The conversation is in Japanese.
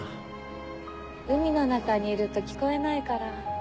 海の中にいると聞こえないから。